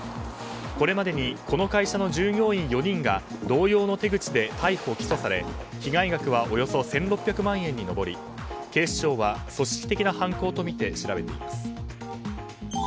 これまでにこの会社の従業員４人が同様の手口で逮捕・起訴され、被害額はおよそ１６００万円に上り警視庁は組織的な犯行とみて調べています。